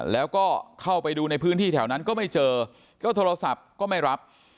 แล้วก็เข้าไปดูในพื้นที่แถวนั้นก็ไม่เจอก็โทรศัพท์ก็ไม่รับ